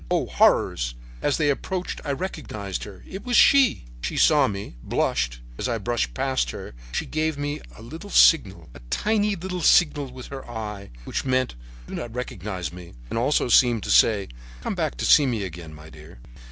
Oh, horrors! As they approached I recognized her. It was she! "She saw me, blushed, and as I brushed past her she gave me a little signal, a tiny little signal with her eye, which meant: 'Do not recognize me!' and also seemed to say, 'Come back to see me again, my dear!'